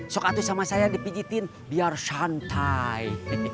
sokatu sama saya dipijitin biar santai